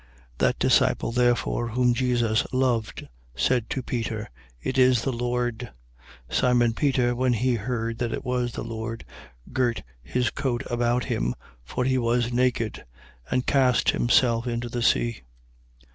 21:7. That disciple therefore whom Jesus loved said to Peter: It is the Lord. Simon Peter, when he heard that it was the Lord, girt his coat about him (for he was naked) and cast himself into the sea.